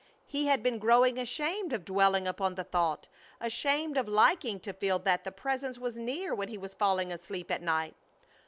He had been growing ashamed of dwelling upon the thought, ashamed of liking to feel that the Presence was near when he was falling asleep at night.